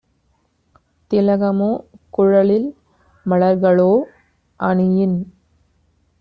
திலகமோ, குழலில் - மலர்களோ அணியின்